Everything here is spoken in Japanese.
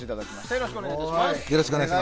よろしくお願いします。